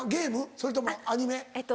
それともアニメ？